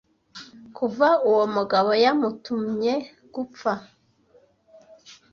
kuva uwo mugabo yamutumye gupfa